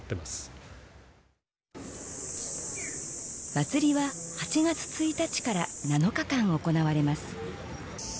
祭りは８月１日から７日間行われます。